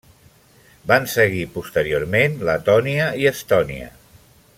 Van seguir posteriorment Letònia i Estònia.